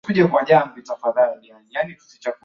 lakini wanahitaji kujaribu kufanya vizuri zaidi Haupaswi